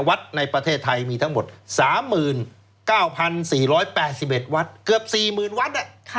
วัดในประเทศไทยมีทั้งหมด๓๙๔๘๑วัดเกือบ๔๐๐๐วัด